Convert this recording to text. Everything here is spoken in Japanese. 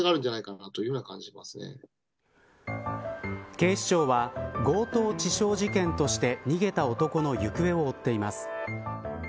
警視庁は、強盗致傷事件として逃げた男の行方を追っています。